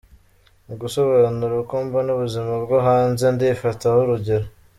Mu gusobanura uko mbona ubuzima bwo hanze, ndifataho urugero.